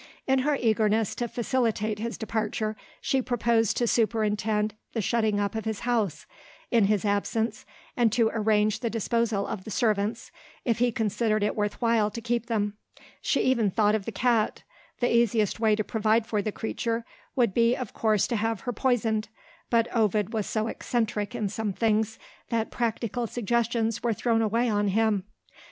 In her eagerness to facilitate his departure, she proposed to superintend the shutting up of his house, in his absence, and to arrange the disposal of the servants, if he considered it worth while to keep them. She even thought of the cat. The easiest way to provide for the creature would be of course to have her poisoned; but Ovid was so eccentric in some things, that practical suggestions were thrown away on him.